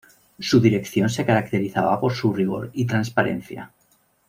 Su dirección se caracterizaba por su rigor y transparencia.